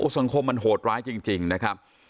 สังคมมันโหดร้ายจริงนะครับ